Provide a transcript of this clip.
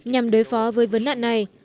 để đối phó với vấn đạn này